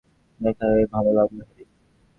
দেখা হয়ে ভালো লাগলো, হ্যারি।